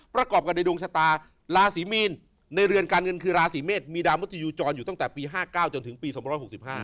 ประกอบกันในดวงชะตาลาศรีมีนในเรือนการเงินคือลาศรีเมษมีดาวมัสดียูจรอยู่ตั้งแต่ปีห้าเก้าจนถึงปีสองร้อยหกสิบห้า